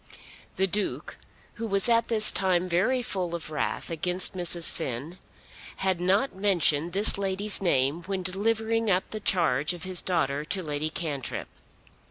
The Duke, who was at this time very full of wrath against Mrs. Finn, had not mentioned this lady's name when delivering up the charge of his daughter to Lady Cantrip.